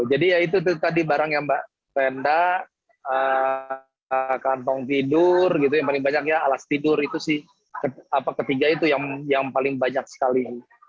jadi ya itu tadi barang yang mbak tenda kantung tidur yang paling banyak alas tidur itu sih ketiga itu yang paling banyak sekali